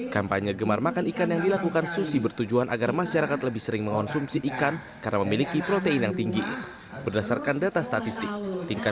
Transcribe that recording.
kampanye gemar makan ikan yang dilakukan susi bertujuan agar masyarakat lebih sering mengonsumsi ikan karena memiliki protein yang tersisa